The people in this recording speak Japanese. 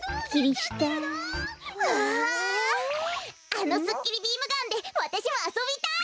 あのすっきりビームガンでわたしもあそびたい！